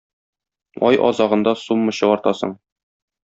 Ай азагында сумма чыгартасың.